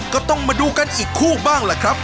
ก็ต้องมาดูกันอีกคู่บ้างล่ะครับ